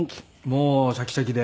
もうシャキシャキで。